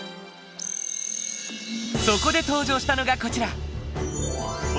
そこで登場したのがこちら